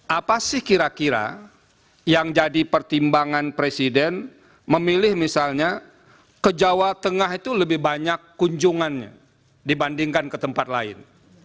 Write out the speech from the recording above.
apa sih kira kira yang jadi pertimbangan presiden memilih misalnya ke jawa tengah itu lebih banyak kunjungannya dibandingkan ke tempat lain